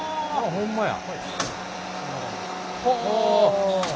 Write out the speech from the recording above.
ホンマや。